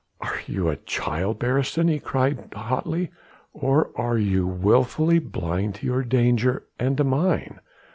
"Are you a child, Beresteyn," he cried hotly, "or are you wilfully blind to your danger and to mine?